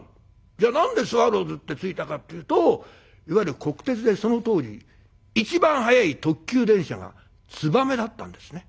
じゃあ何でスワローズって付いたかっていうといわゆる国鉄でその当時一番速い特急電車が「つばめ」だったんですね。